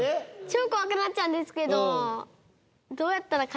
超怖くなっちゃうんですけど。